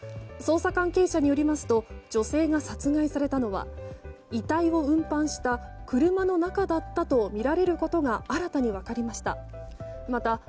捜査関係者によりますと女性が殺害されたのは遺体を運搬した車の中だったとみられることが新たに分かりました。